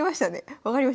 分かりました。